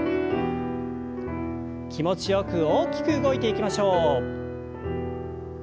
気持ちよく大きく動いていきましょう。